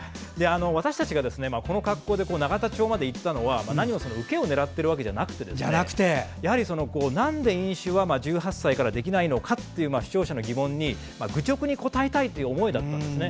私たちが永田町まで行ったのは受けを狙っているのではなくてなんで飲酒は１８歳からできないのかという視聴者の疑問に愚直に答えたいという思いだったんですね。